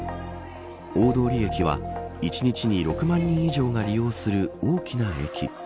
大通駅は、１日に６万人以上が利用する大きな駅。